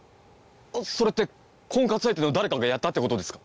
それって婚活相手の誰かがやったって事ですか？